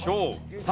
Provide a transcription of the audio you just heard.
さあ